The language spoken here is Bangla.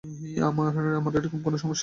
তবে আমার এরকম কোনো সমস্যা নেই!